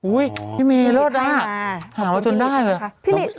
อุ๊ยพี่มีโลดได้อ่ะหามาจนได้เลยอ่ะ